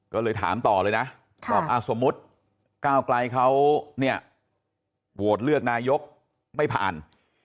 ก็เลยถามต่อเลยนะบอกสมมุติก้าวไกลเขาเนี่ยโหวตเลือกนายกไม่ผ่าน